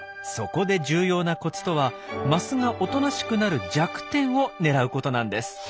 そこで重要なコツとはマスがおとなしくなる弱点を狙うことなんです。